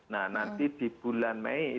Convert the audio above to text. nah nanti di bulan mei